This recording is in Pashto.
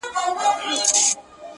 گرانه شاعره صدقه دي سمه,